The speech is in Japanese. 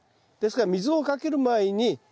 ですから水をかける前に。